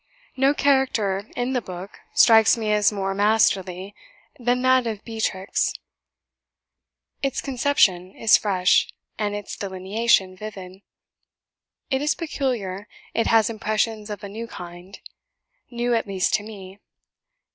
No character in the book strikes me as more masterly than that of Beatrix; its conception is fresh, and its delineation vivid. It is peculiar; it has impressions of a new kind new, at least, to me.